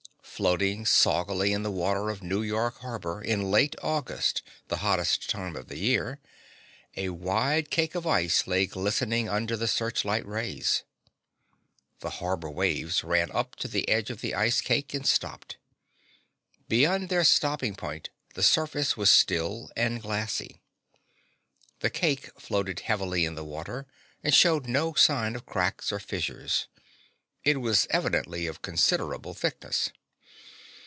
Floating soggily in the water of New York harbor, in late August the hottest time of the year a wide cake of ice lay glistening under the searchlight rays! The harbor waves ran up to the edge of the ice cake and stopped. Beyond their stopping point the surface was still and glassy. The cake floated heavily in the water and showed no sign of cracks or fissures. It was evidently of considerable thickness.